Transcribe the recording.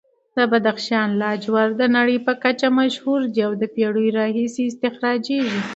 د بدخشان لاجورد د نړۍ په کچه مشهور دي او د پېړیو راهیسې استخراجېږي.